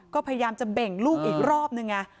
ก็พยายามจะเบ่งลูกอีกรอบนึงไง